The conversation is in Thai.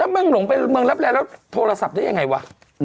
เมืองลับแลแล้วโทรศัพท์ได้อย่างไรวะ